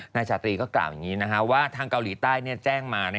ชาตรีก็กล่าวอย่างนี้ว่าทางเกาหลีใต้แจ้งมา